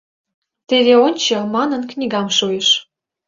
— Теве ончо, — манын, книгам шуйыш.